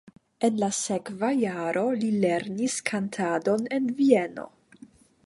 En la sekva jaro li lernis kantadon en Vieno.